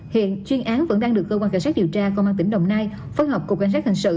hiện chuyên án vẫn đang được cơ quan cảnh sát điều tra công an tỉnh đồng nai phối hợp cục cảnh sát hình sự